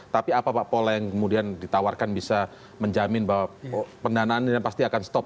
sehingga pola yang kemudian ditawarkan bisa menjamin bahwa pendanaan ini pasti akan stop